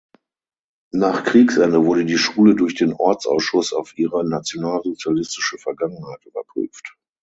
Nach Kriegsende wurde die Schule durch den Ortsausschuss auf ihre nationalsozialistische Vergangenheit überprüft.